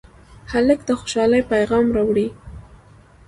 هلک د خوشالۍ پېغام راوړي.